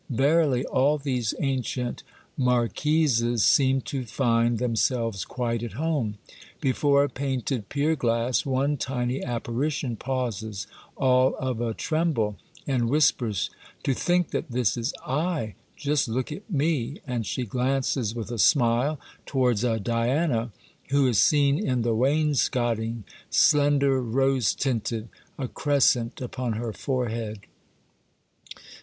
Verily, all these ancient marquises seem to find themselves quite at home. Before a painted pier glass one tiny apparition pauses, all of a tremble, and whispers, '* To think that this is I !— just look at me !" and she glances with a smile towards a Diana who is seen in the wainscoting, slender, rose tinted, a crescent upon her forehead.